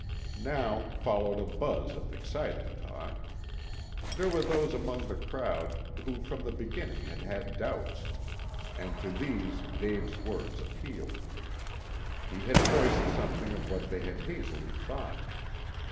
Now followed a buzz of excited talk. There were those among the crowd who from the beginning had had doubts, and to these Dave's words appealed. He had voiced something of what they had hazily thought.